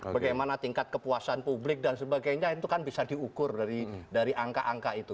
bagaimana tingkat kepuasan publik dan sebagainya itu kan bisa diukur dari angka angka itu